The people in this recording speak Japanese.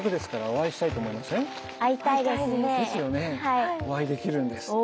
お会いできるんですって。